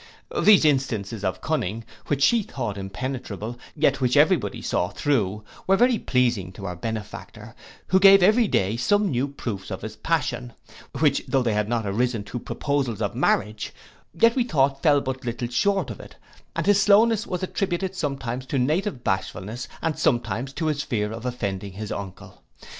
These instances of cunning, which she thought impenetrable, yet which every body saw through, were very pleasing to our benefactor, who gave every day some new proofs of his passion, which though they had not arisen to proposals of marriage, yet we thought fell but little short of it; and his slowness was attributed sometimes to native bashfulness, and sometimes to his fear of offending his uncle.